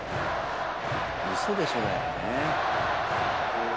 「嘘でしょ？」だよね。